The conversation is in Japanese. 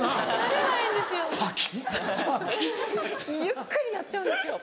ゆっくり鳴っちゃうんですよ